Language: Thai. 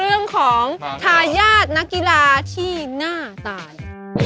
เรื่องของทายาทนักกีฬาที่น่าตาย